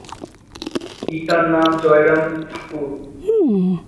পিতার নাম জয়রাম ঠাকুর।